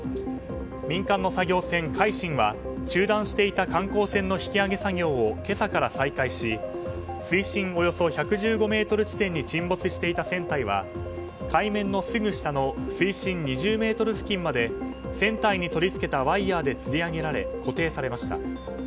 民間の作業船「海進」は中断していた観光船の引き揚げ作業を今朝から再開し水深およそ１１５ｍ地点に沈没していた船体は海面のすぐ下の水深２０ｍ付近まで船体に取り付けたワイヤでつり上げられ固定されました。